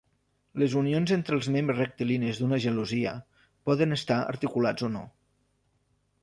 Les unions entre els membres rectilinis d'una gelosia poden estar articulats o no.